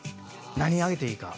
何あげていいか。